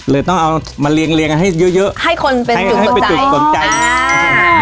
ต้องเอามาเรียงเรียงกันให้เยอะเยอะให้คนเป็นให้ให้เป็นจุดสนใจอ่า